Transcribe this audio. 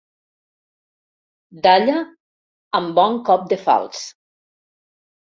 Dalla, amb bon cop de falç.